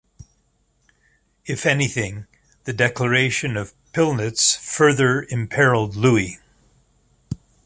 If anything, the Declaration of Pilnitz further imperilled Louis.